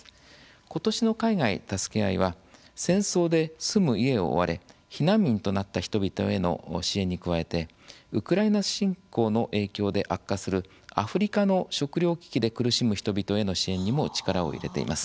今年の「海外たすけあい」は戦争で住む家を追われ避難民となった人々への支援に加えてウクライナ侵攻の影響で悪化するアフリカの食料危機で苦しむ人々への支援にも力を入れています。